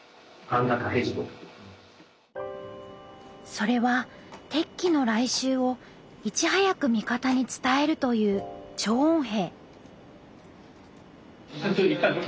それは敵機の来襲をいち早く味方に伝えるという「聴音兵」。